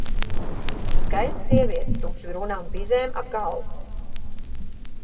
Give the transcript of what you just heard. Skaista sieviete, tumši brūnām bizēm ap galvu.